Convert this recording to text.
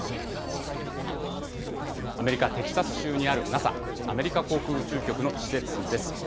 アメリカ・テキサス州にある、ＮＡＳＡ・アメリカ航空宇宙局の施設です。